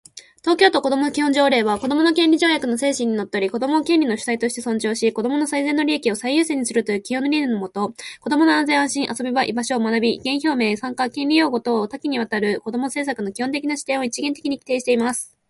東京都こども基本条例は「子どもの権利条約」の精神にのっとり、子供を権利の主体として尊重し、子供の最善の利益を最優先にするという基本理念のもと、子供の安全安心、遊び場、居場所、学び、意見表明、参加、権利擁護等多岐にわたる子供政策の基本的な視点を一元的に規定しています。